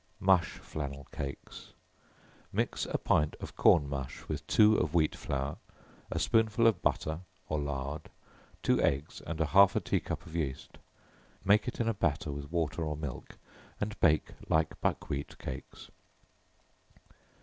Mush Flannel Cakes. Mix a pint of corn mush with two of wheat flour, a spoonful of butter or lard, two eggs and half a tea cup of yeast; make it in a batter with water or milk, and bake like buckwheat cakes.